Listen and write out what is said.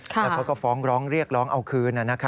แล้วเขาก็ฟ้องร้องเรียกร้องเอาคืน